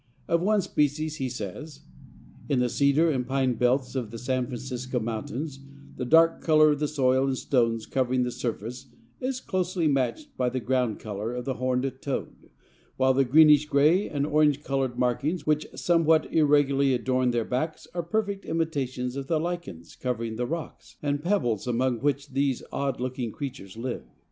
Of one species he says: "In the cedar and pine belts of the San Francisco Mountains the dark color of the soil and stones covering the surface is closely matched by the ground color of the Horned Toad, while the greenish gray and orange colored markings which somewhat irregularly adorn their backs are perfect imitations of the lichens covering the rocks and pebbles among which these odd looking creatures live.